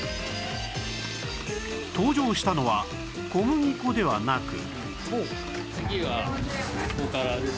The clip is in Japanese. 登場したのは小麦粉ではなく